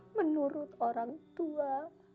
menurut orang tua